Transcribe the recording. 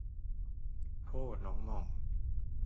โถ้น้องหม่อง